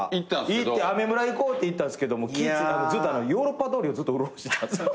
アメ村行こうって行ったんですけど気ぃ付いたらヨーロッパ通りをずっとうろうろしてたんです。